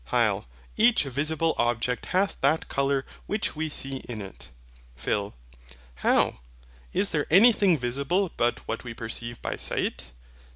HYL. Each visible object hath that colour which we see in it. PHIL. How! is there anything visible but what we perceive by sight?